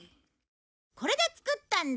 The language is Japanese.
これで作ったんだ！